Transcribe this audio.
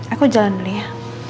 aku jalan beli ya